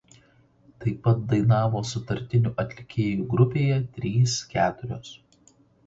Taip pat dainavo sutartinių atlikėjų grupėje „Trys keturiose“.